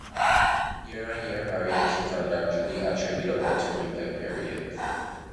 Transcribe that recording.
Year-on-year variations are largely attributable to refit periods.